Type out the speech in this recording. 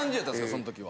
その時は。